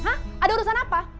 hah ada urusan apa